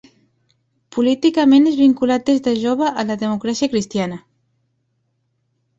Políticament és vinculat des de jova a la democràcia cristiana.